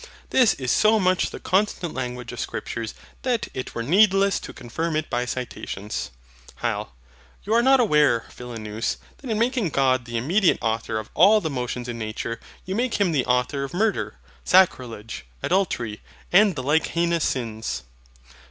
This is so much the constant language of Scripture that it were needless to confirm it by citations. HYL. You are not aware, Philonous, that in making God the immediate Author of all the motions in nature, you make Him the Author of murder, sacrilege, adultery, and the like heinous sins.